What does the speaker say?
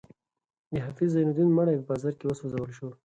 د حافظ زین الدین مړی په بازار کې وسوځول شو.